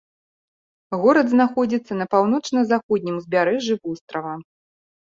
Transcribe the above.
Горад знаходзіцца на паўночна-заходнім узбярэжжы вострава.